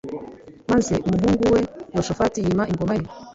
maze umuhungu we yehoshafati yima ingoma ye